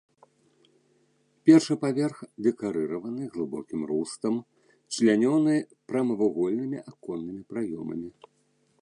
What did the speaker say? Першы паверх дэкарыраваны глыбокім рустам, члянёны прамавугольнымі аконнымі праёмамі.